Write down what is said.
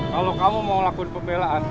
kalau kamu mau lakuin pembelaan